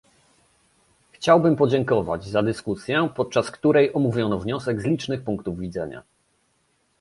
Chciałbym podziękować za dyskusję, podczas której omówiono wniosek z licznych punktów widzenia